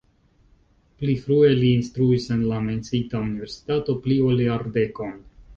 Pli frue li instruis en la menciita universitato pli, ol jardekon.